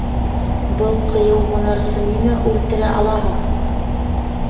— Был ҡыйыу һунарсы нимә үлтерә ала һуң?